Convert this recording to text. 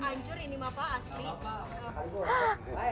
ancur ini mah pak asli